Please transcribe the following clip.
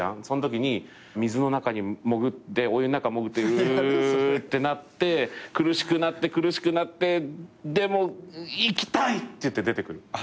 そんときにお湯の中潜ってうぅってなって苦しくなって苦しくなってでも生きたい！っていって出てくる。